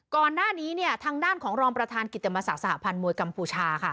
ก่อนหน้านี้เนี่ยทางด้านของรองประธานกิจติมศาสตร์สหภัณฑ์มวยกัมพูชาค่ะ